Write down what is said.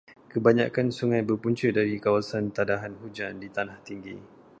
Kebanyakan sungai berpunca dari kawasan tadahan hujan di tanah tinggi.